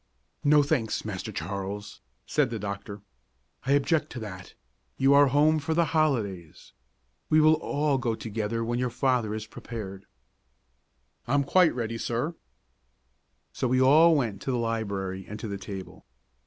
"No, thanks, Master Charles," said the doctor, "I object to that; you are home for the holidays. We will all go together when your father is prepared." "I am quite ready, sir." So we all three went to the library and to the table.